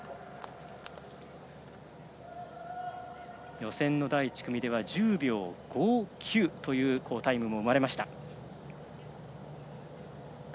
予選第１組では１０秒５９という好タイムも生まれました。